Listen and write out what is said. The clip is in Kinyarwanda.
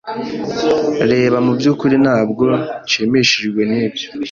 Reba, Mu byukuri ntabwo nshimishijwe, Nibyo?